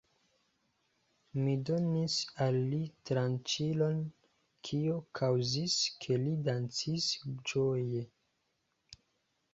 Mi donis al li tranĉilon, kio kaŭzis, ke li dancis ĝoje.